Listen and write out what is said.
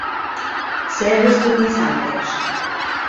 Сэрвіс тут не самы лепшы.